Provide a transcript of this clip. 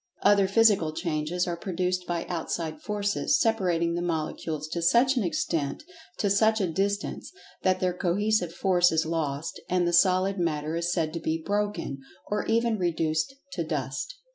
Other Physical Changes are produced by outside Forces separating the molecules to such[Pg 85] an extent—to such a distance—that their cohesive force is lost, and the Solid matter is said to be "broken," or even reduced to dust.